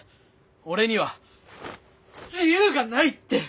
俺には自由がないって！